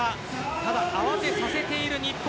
ただ慌てさせている日本